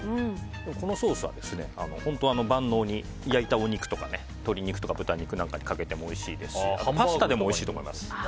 このソースは本当、万能に焼いたお肉鶏肉とか豚肉なんかにかけてもおいしいですしパスタでもおいしいと思います。